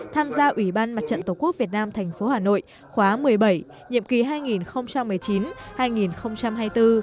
tham gia ủy ban mặt trận tổ quốc việt nam tp hà nội khóa một mươi bảy nhiệm kỳ hai nghìn một mươi chín hai nghìn hai mươi bốn